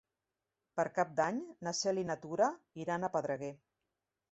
Per Cap d'Any na Cel i na Tura iran a Pedreguer.